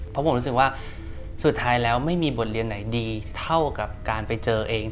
เพราะผมรู้สึกว่าสุดท้ายแล้วไม่มีบทเรียนไหนดีเท่ากับการไปเจอเอง